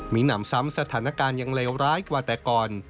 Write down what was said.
มีหนำซ้ำสถานการณ์ยังเลวร้ายกว่าแต่ก่อน